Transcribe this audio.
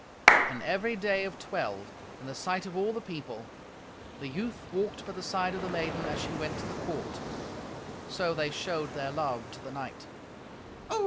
And every day of twelve, in the sight of all the people, the youth walked by the side of the maiden as she went to the court. So they showed their love to the knight.